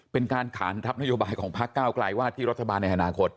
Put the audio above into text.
เป็นการขานรับนโยบายของพักเก้าไกลว่าที่รัฐบาลในอนาคต